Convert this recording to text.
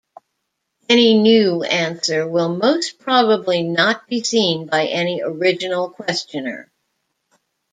Any new answer will most probably not be seen by any original questioner.